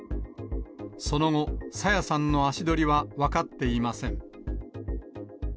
その後、朝芽さんの足取りは分かっていません。